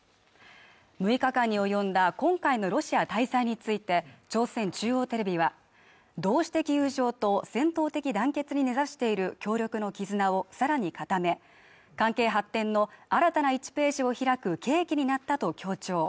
６日間に及んだ今回のロシア滞在について朝鮮中央テレビは同士的友情と戦闘的団結に根ざしている協力の絆を更に固め関係発展の新たな１ページを開く契機になったと強調